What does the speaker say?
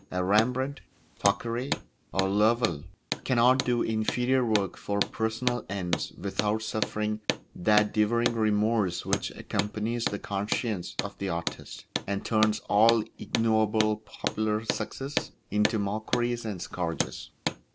A Rembrandt, Thackeray, or Lowell cannot do inferior work for personal ends without suffering that devouring remorse which accompanies the conscience of the artist, and turns all ignoble popular successes into mockeries and scourges.